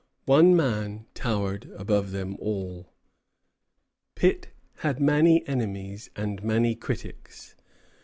One man towered above them all. Pitt had many enemies and many critics.